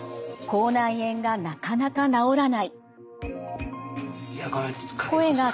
口内炎がなかなか治らない。